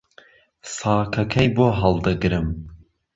ساکهکهی بۆ ههڵدهگرم